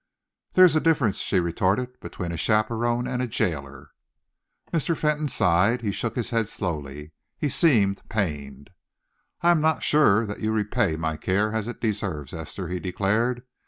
"There is a difference," she retorted, "between a chaperon and a jailer." Mr. Fentolin sighed. He shook his head slowly. He seemed pained. "I am not sure that you repay my care as it deserves, Esther," he declared.